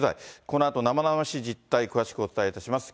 このあと生々しい実態、詳しくお伝えいたします。